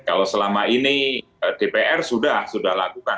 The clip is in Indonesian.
kalau selama ini dpr sudah sudah lakukan